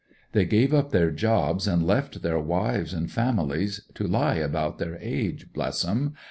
They gave up their jobs and left their wives and families to lie about their age — ^bless 'em